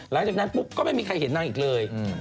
หลังจากนั้นปุ๊บก็ไม่มีใครเห็นนางอีกเลย